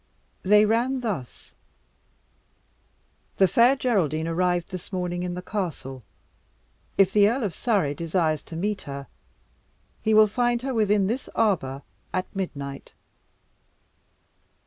They ran thus: "The Fair Geraldine arrived this morning in the castle. If the Earl of Surrey desires to meet her, he will find her within this arbour at midnight."